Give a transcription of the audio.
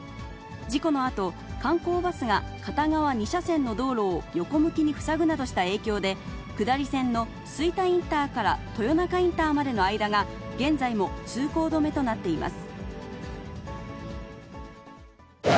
事故のあと、観光バスが片側２車線の道路を横向きに塞ぐなどした影響で、下り線の吹田インターから豊中インターまでの間が、現在も通行止めとなっています。